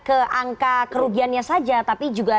ke angka kerugiannya saja tapi juga